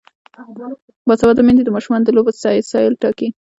باسواده میندې د ماشومانو د لوبو وسایل ټاکي.